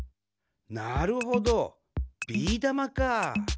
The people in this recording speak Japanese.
なるほどビーだまかあ。